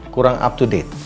kurang up to date